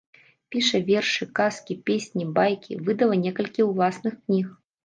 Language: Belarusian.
Піша вершы, казкі, песні, байкі, выдала некалькі ўласных кніг.